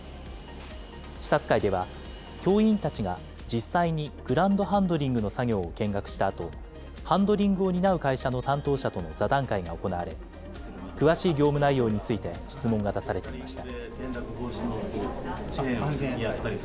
視察会では、教員たちが実際にグランドハンドリングの作業を見学したあと、ハンドリングを担う会社の担当者との座談会が行われ、詳しい業務内容について質問が出されていました。